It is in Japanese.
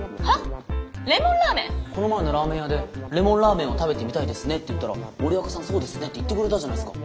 この前のラーメン屋で「レモンラーメンを食べてみたいですね」って言ったら森若さん「そうですね」って言ってくれたじゃないすか。